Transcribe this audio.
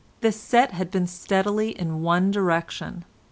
The set has been steadily in one direction.